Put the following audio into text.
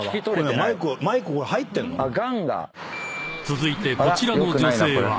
［続いてこちらの女性は］